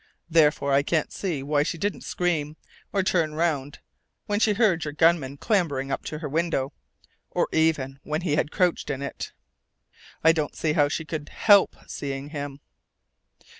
Therefore I can't see why she didn't scream, or turn around when she heard your gunman clambering up to her window, or even when he had crouched in it. I don't see how she could help seeing him!"